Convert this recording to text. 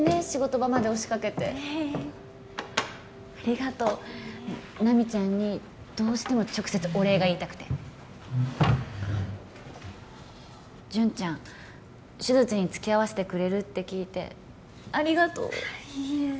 仕事場まで押しかけてありがとう奈未ちゃんにどうしても直接お礼が言いたくて潤ちゃん手術に付き合わせてくれるって聞いてありがとういいえ